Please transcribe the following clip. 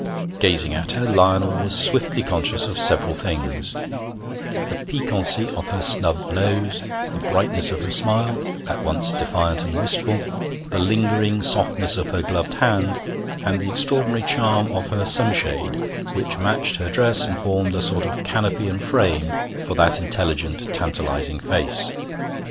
Gazing at her, Lionel was swiftly conscious of several things: the piquancy of her snub nose, the brightness of her smile, at once defiant and wistful, the lingering softness of her gloved hand, and the extraordinary charm of her sunshade, which matched her dress and formed a sort of canopy and frame for that intelligent, tantalizing face.